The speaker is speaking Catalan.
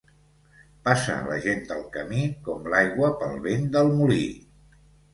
Passa la gent del camí com l'aigua pel vent del molí.